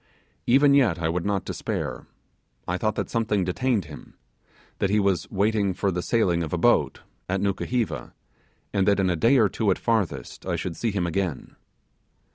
Even yet I would not despair; I thought that something detained him that he was waiting for the sailing of a boat, at Nukuheva, and that in a day or two at farthest I should see him again.